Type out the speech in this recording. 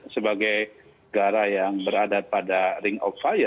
sebagai negara yang berada pada ring of fire